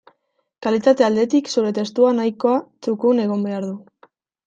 Kalitate aldetik, zure testua nahikoa txukun egon behar du.